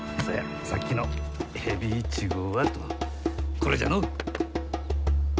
これじゃのう。